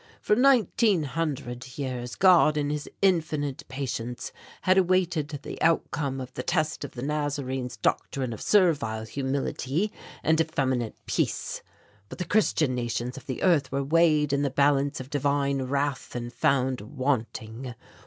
"For nineteen hundred years, God in his infinite patience, had awaited the outcome of the test of the Nazarene's doctrine of servile humility and effeminate peace. But the Christian nations of the earth were weighed in the balance of Divine wrath and found wanting.